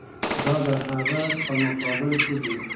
دا د هغه په مقابل کې دي.